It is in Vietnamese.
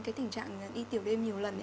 cái tình trạng y tiểu đêm nhiều lần